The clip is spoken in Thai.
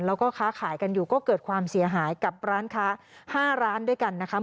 แล้วก็ค้าขายกันอยู่ก็เกิดความเสียหายกับร้านค้า๕ร้านด้วยกันนะคะ